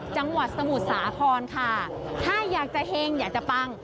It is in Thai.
จังหวัดสมุทรสาครค่ะถ้าอยากจะเฮงอยากจะปัง